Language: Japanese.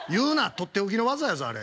とっておきの技やぞあれ。